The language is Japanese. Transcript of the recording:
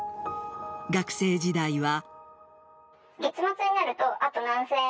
学生時代は。